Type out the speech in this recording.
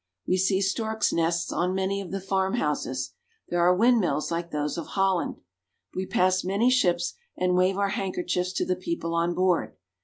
We see storks' nests on many of the farmhouses; there are wind mills like those of Holland. We pass many ships, and wave our handkerchiefs to the people on board.